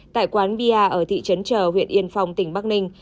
tại quán bia ở thị trấn chờ huyện yên phong tỉnh bắc ninh